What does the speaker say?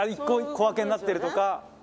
１個小分けになってるとか。